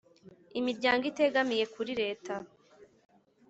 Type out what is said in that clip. Imiryango itegamiye kuri Leta,